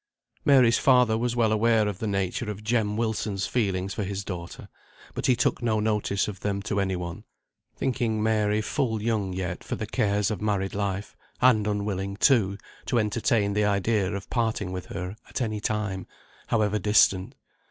Mary's father was well aware of the nature of Jem Wilson's feelings for his daughter, but he took no notice of them to any one, thinking Mary full young yet for the cares of married life, and unwilling, too, to entertain the idea of parting with her at any time, however distant.